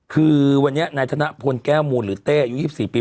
คือวันนี้นายธนพลแก้วมูลหรือเต้อายุ๒๔ปี